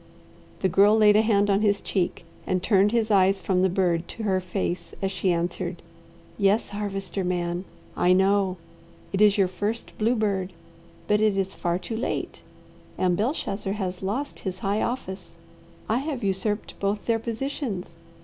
The Girl laid a hand on his cheek and turned his eyes from the bird to her face as she answered, "Yes, Harvester man, I know. It is your first bluebird but it is far too late, and Belshazzar has lost high office. I have usurped both their positions.